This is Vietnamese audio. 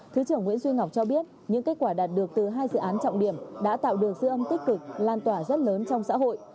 thứ trưởng nguyễn duy ngọc cho biết những kết quả đạt được từ hai dự án trọng điểm đã tạo được sự âm tích cực lan tỏa rất lớn trong xã hội